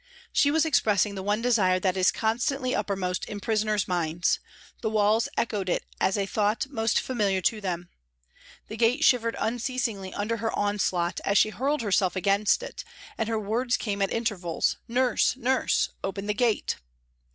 She was expressing the one desire that is constantly uppermost in prisoners' minds, the walls echoed it as a thought most familiar to them. The gate shivered unceasingly under her onslaught as she hurled herself against it, and her words came at intervals, " Nurse ! Nurse ! Open the gate."